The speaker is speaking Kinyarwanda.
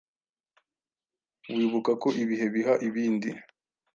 Wibuka ko ibihe biha ibindi